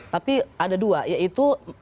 tapi ada dua yaitu